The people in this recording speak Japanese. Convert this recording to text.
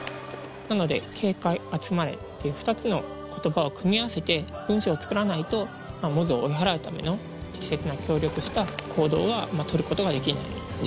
なので「警戒集まれ」っていう２つのことばを組み合わせて文章を作らないとモズを追い払うための適切な協力した行動は取ることができないんですね